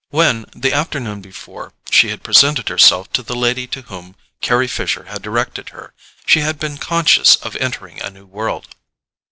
When, the afternoon before, she had presented herself to the lady to whom Carry Fisher had directed her, she had been conscious of entering a new world.